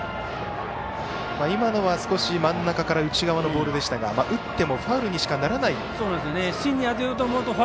今のは少し真ん中から内側のボールでしたが打ってもファウルにしかならないという。